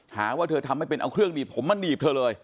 หาว่าเธอทำไม่เป็นเอาเครื่องหนีบผมมาหนีบเธอเลย